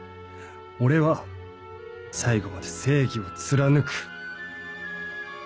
俺は最後まで正義を貫く。